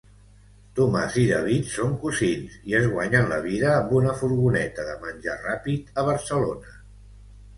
Tomàs i David són cosins i es guanyen la vida amb una furgoneta de menjar ràpid a Barcelona.